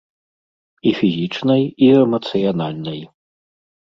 І фізічнай, і эмацыянальнай.